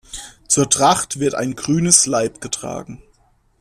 Zur Tracht wird ein grünes Laibe getragen.